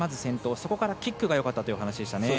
そこからキックがよかったというお話。